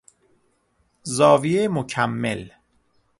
زاویهی مکمل